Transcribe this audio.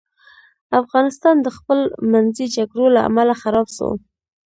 افغانستان د خپل منځي جګړو له امله خراب سو.